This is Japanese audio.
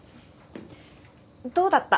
どうだった？